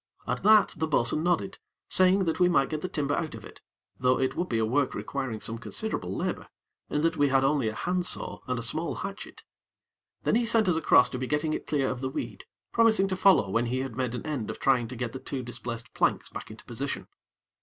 At that, the bo'sun nodded, saying that we might get the timber out of it, though it would be a work requiring some considerable labor, in that we had only a hand saw and a small hatchet. Then he sent us across to be getting it clear of the weed, promising to follow when he had made an end of trying to get the two displaced planks back into position.